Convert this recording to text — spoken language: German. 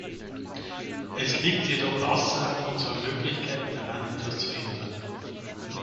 Es liegt jedoch außerhalb unserer Möglichkeiten, daran etwas zu ändern.